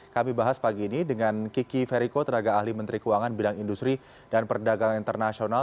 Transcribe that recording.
kami bahas pagi ini dengan kiki feriko tenaga ahli menteri keuangan bidang industri dan perdagangan internasional